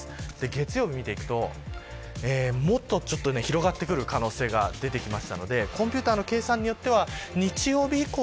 月曜日を見ていくともっと広がってくる可能性が出てきましたのでコンピューターの計算によっては日曜日以降